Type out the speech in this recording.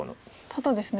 ただですね